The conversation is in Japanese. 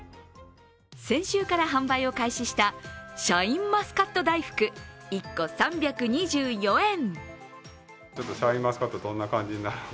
先週から販売を開始したシャインマスカット大福、１個３２４円。